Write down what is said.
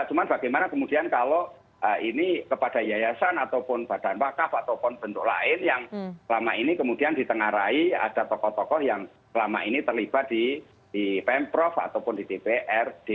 cuma bagaimana kemudian kalau ini kepada yayasan ataupun badan wakaf ataupun bentuk lain yang selama ini kemudian ditengarai ada tokoh tokoh yang selama ini terlibat di pemprov ataupun di dprd